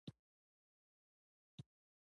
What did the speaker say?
غوماشې د شیدو او خوړو سره ناستېږي.